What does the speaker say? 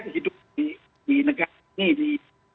hidup di negara ini